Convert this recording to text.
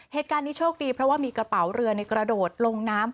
เหตุการณ์นี้โชคดีเพราะว่ามีกระเป๋าเรือในกระโดดลงน้ำ